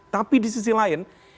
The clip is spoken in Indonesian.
tapi di sisi lain